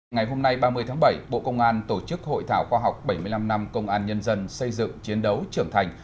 ngày hôm nay ba mươi tháng bảy bộ công an tổ chức hội thảo khoa học bảy mươi năm năm công an nhân dân xây dựng chiến đấu trưởng thành